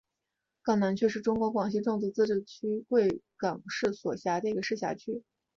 港南区是中国广西壮族自治区贵港市所辖的一个市辖区。